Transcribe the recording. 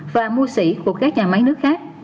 và mua sỉ của các nhà máy nước khác